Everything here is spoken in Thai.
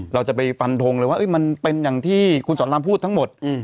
เราจะไปฟันทงเลยว่ามันเป็นอย่างที่คุณสอนรามพูดทั้งหมด